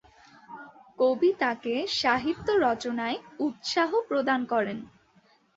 কবি তাকে সাহিত্য রচনায় উৎসাহ প্রদান করেন।